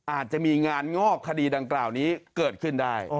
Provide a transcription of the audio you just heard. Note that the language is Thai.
อาจจะมีงานงอกคดีดังกล่าวนี้เกิดขึ้นได้